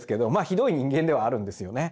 ひどい人間ではあるんですよね。